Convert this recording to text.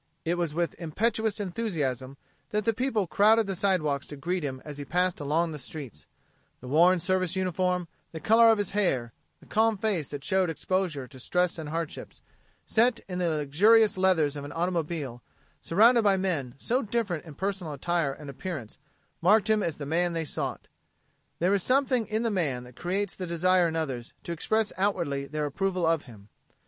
It was with impetuous enthusiasm that the people crowded the sidewalks to greet him as he passed along the streets the worn service uniform, the color of his hair, the calm face that showed exposure to stress and hardships, set in the luxurious leathers of an automobile, surrounded by men so different in personal attire and appearance, marked him as the man they sought. There is something in the man that creates the desire in others to express outwardly their approval of him.